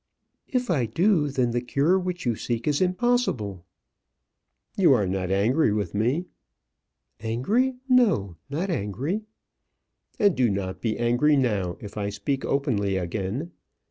"If I do, then the cure which you seek is impossible." "Ah!" "Is impossible." "You are not angry with me?" "Angry; no, not angry." "And do not be angry now, if I speak openly again.